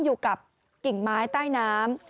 อยู่กับกิ่งไม้ใต้น้ำ